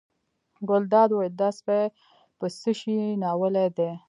ګلداد وویل دا سپی په څه شي ناولی دی.